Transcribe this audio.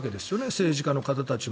政治家の方たちも。